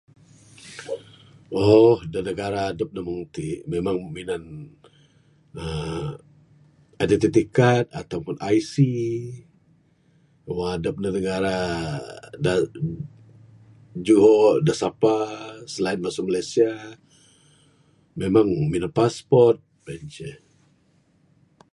uhh da negara dep meng ti memang minan uhh identity card ato pun IC wang adep da negara da juho da sapa selain masu Malaysia memang minan passport meng en ceh.